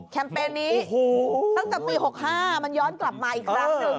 เปญนี้ตั้งแต่ปี๖๕มันย้อนกลับมาอีกครั้งหนึ่ง